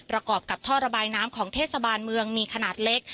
กรอบกับท่อระบายน้ำของเทศบาลเมืองมีขนาดเล็ก